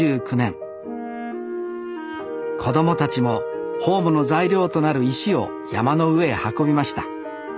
子供たちもホームの材料となる石を山の上へ運びました。